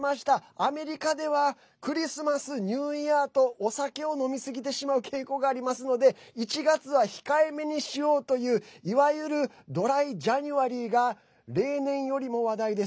アメリカではクリスマス、ニューイヤーとお酒を飲みすぎてしまう傾向がありますので１月は控えめにしようといういわゆるドライ・ジャニュアリーが例年よりも話題です。